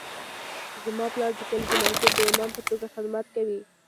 زما پلار د کلي د مسجد د امام په توګه خدمت کوي